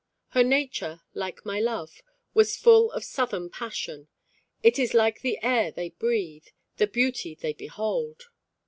Her nature, like my love, was full of Southern passion. It is like the air they breathe, the beauty they behold.